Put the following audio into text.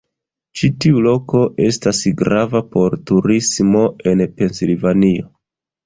Ĉi tiu loko estas grava por turismo en Pensilvanio.